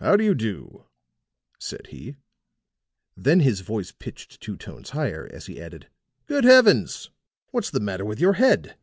"How do you do?" said he; then his voice pitched two tones higher as he added: "Good heavens! What's the matter with your head?"